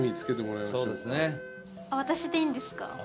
私でいいんですか？